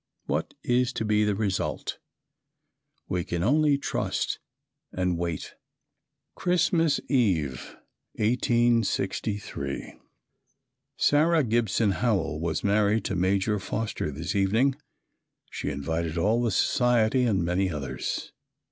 What is to be the result? We can only trust and wait. Christmas Eve, 1863. Sarah Gibson Howell was married to Major Foster this evening. She invited all the society and many others.